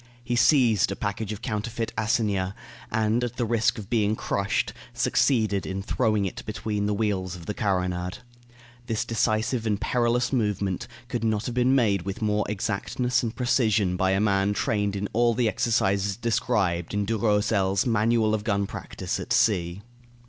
He seized a package of counterfeit assignats, and, at the risk of being crushed, succeeded in throwing it between the wheels of the carronade. This decisive and perilous movement could not have been made with more exactness and precision by a man trained in all the exercises described in Durosel's "Manual of Gun Practice at Sea."